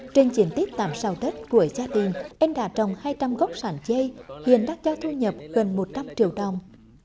trên chiến tiết tạm sào đất của gia đình anh đã trồng hai trăm linh gốc sản dây hiện đã cho thu nhập gần một trăm linh triệu đồng